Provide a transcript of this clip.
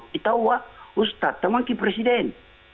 kita uah ustadz teman ke presiden